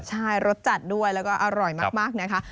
ใช่รสจัดด้วยแล้วก็อร่อยมากนะคะ